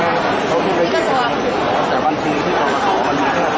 อาหรับเชี่ยวจามันไม่มีควรหยุด